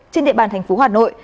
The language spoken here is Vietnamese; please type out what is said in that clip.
trên địa bàn thành phố hà nội